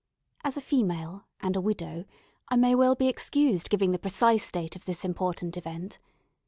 As a female, and a widow, I may be well excused giving the precise date of this important event.